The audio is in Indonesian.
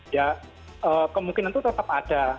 ya kemungkinan itu tetap ada